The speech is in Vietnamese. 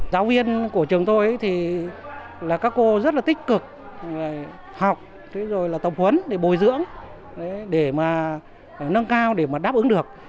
giáo viên của trường tôi thì là các cô rất là tích cực học tập huấn để bồi dưỡng để nâng cao để đáp ứng được